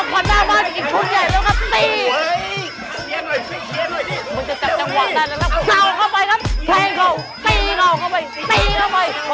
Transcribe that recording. มันจะจับจังหวานได้แล้วครับ